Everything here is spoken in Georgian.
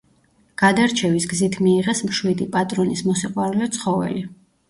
გადარჩევის გზით მიიღეს მშვიდი, პატრონის მოსიყვარულე ცხოველი.